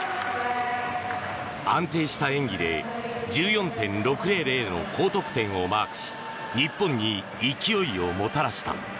安定した演技で１４．６００の高得点をマークし日本に勢いをもたらした。